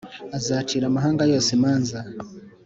Azacira amahanga yose imanza,